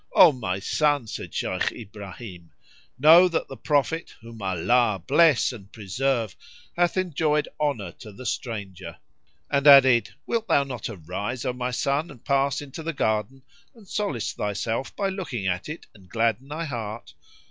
"O my son," said Shaykh Ibrahim, "know that the Prophet (whom Allah bless and preserve!) hath enjoined honour to the stranger;" and added, "Wilt not thou arise, O my son, and pass into the garden and solace thyself by looking at it and gladden thy heart?"